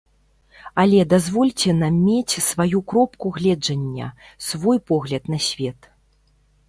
Але дазвольце нам мець сваю кропку гледжання, свой погляд на свет.